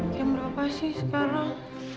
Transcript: jam berapa sih sekarang